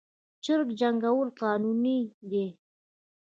چرګ جنګول قانوني دي؟